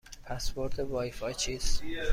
پسورد وای فای چیست؟